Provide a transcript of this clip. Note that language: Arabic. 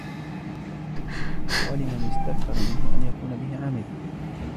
وَلِمَنْ اسْتَكْثَرَ مِنْهُ أَنْ يَكُونَ بِهِ عَامِلًا